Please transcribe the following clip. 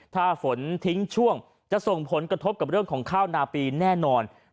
ถ้าฝนทิ้งช่วงจะส่งผลกระทบกับเรื่องของข้าวนาปีแน่นอน